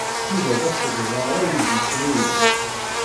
Yuba d asegbar ay d-yefrurin.